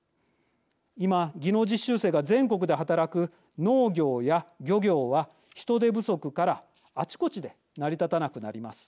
今技能実習生が全国で働く農業や漁業は人手不足からあちこちで成り立たなくなります。